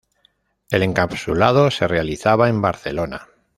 El encapsulado se realizaba en Barcelona.